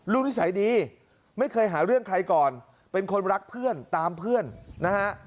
นิสัยดีไม่เคยหาเรื่องใครก่อนเป็นคนรักเพื่อนตามเพื่อนนะฮะ